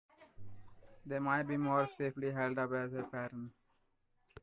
They might be more safely held up as a pattern.